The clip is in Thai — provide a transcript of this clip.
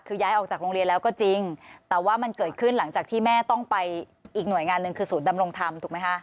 คือย้ายออกจากโรงเรียนแล้วก็จริงแต่ว่ามันเกิดขึ้นหลังจากที่แม่ต้องไปอีกหน่วยงานหนึ่งคือศูนย์ดำรงธรรมถูกไหมคะ